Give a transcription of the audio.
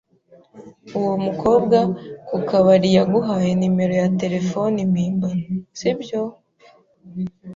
Uwo mukobwa ku kabari yaguhaye nimero ya terefone mpimbano, sibyo?